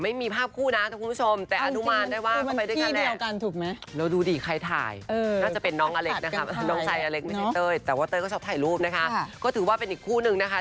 ทำเอาหลายคนแบบนี้หน่ะค่ะ